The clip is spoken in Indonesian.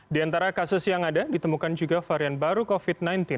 di antara kasus yang ada ditemukan juga varian baru covid sembilan belas